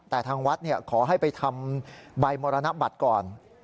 แต่ทางวัดขอให้ไปทำใบมรณบัตรก่อน